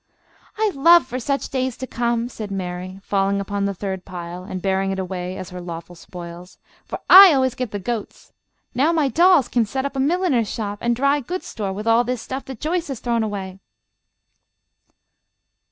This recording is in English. "I love for such days to come," said Mary, falling upon the third pile and bearing it away as her lawful spoils, "for I always get all the goats. Now my dolls can set up a milliner's shop and dry goods store with all this stuff that Joyce has thrown away."